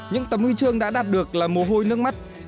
những tấm huy chương đã đạt được là mồ hôi nước mắt